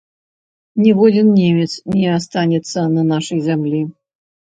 Ніводзін немец не астанецца на нашай зямлі!